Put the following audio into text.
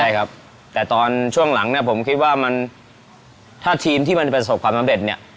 ใช่ครับแต่ตอนช่วงหลังเนี่ยผมคิดว่ามันถ้าทีมที่มันประสบความสำเร็จเนี่ย